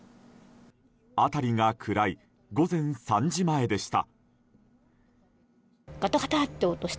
辺りが暗い午前３時前でした。